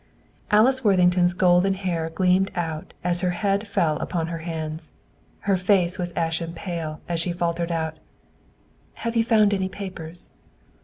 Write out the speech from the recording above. Alice Worthington's golden hair gleamed out, as her head fell upon her hands. Her face was ashen pale, as she faltered out, "Have you found any papers?"